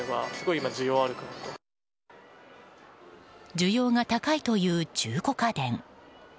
需要が高いという中古家電。